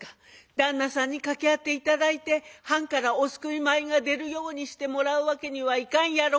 「旦那さんに掛け合って頂いて藩からお救い米が出るようにしてもらうわけにはいかんやろか？」。